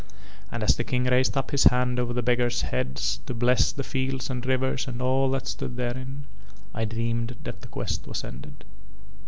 And as the King raised up his hand over the beggars' heads to bless the fields and rivers and all that stood therein, I dreamed that the quest was ended.